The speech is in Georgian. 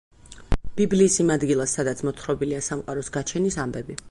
ბიბლიის იმ ადგილას, სადაც მოთხრობილია სამყაროს გაჩენის ამბები.